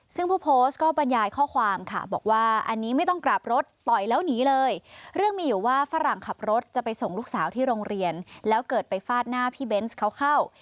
ซึ่งผู้โพสต์ก็บรรยายข้อความค่ะบอกว่าอันนี้ไม่ต้องกลับรถต่อยแล้วหนีเลยเรื่องมีอยู่ว่าฝรั่งขับรถจะไปส่งลูกสาวที่โรงเรียนแล้วเกิดไปฟาดหน้าพี่เบนส์เขาเข้า